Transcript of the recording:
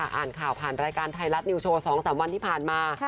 อ่านข่าวผ่านรายการไทยรัฐนิวโชว์๒๓วันที่ผ่านมา